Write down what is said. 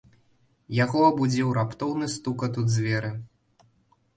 Яго абудзіў раптоўны стукат у дзверы.